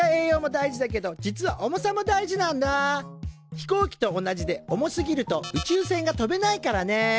飛行機と同じで重すぎると宇宙船が飛べないからね。